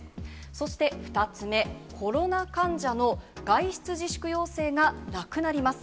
そして２つ目、コロナ患者の外出自粛要請がなくなります。